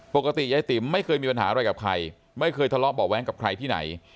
ปกติยายติ๋มไม่เคยมีปัญหาอะไรกับใครไม่เคยทะเลาะเบาะแว้งกับใครที่ไหน